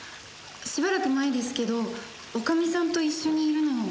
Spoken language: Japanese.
しばらく前ですけど女将さんと一緒にいるのを。